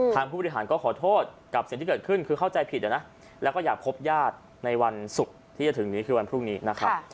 ผู้บริหารก็ขอโทษกับสิ่งที่เกิดขึ้นคือเข้าใจผิดนะแล้วก็อยากพบญาติในวันศุกร์ที่จะถึงนี้คือวันพรุ่งนี้นะครับ